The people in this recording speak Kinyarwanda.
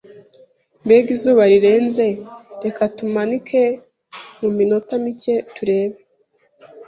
Mbega izuba rirenze! Reka tumanike muminota mike turebe.